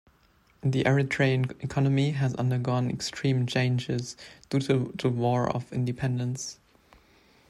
The Eritrean economy has undergone extreme changes due to the War of Independence.